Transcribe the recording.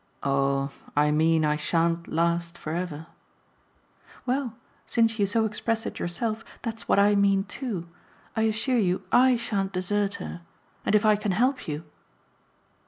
"Oh I mean I shan't last for ever." "Well, since you so expressed it yourself, that's what I mean too. I assure you I shan't desert her. And if I can help you